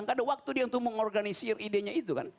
gak ada waktu dia untuk mengorganisir idenya itu kan